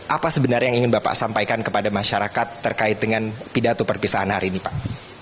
apa sebenarnya yang ingin bapak sampaikan kepada masyarakat terkait dengan pidato perpisahan hari ini pak